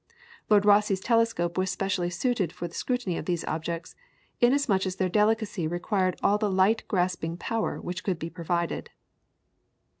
Lord Rosse's telescope was specially suited for the scrutiny of these objects, inasmuch as their delicacy required all the light grasping power which could be provided.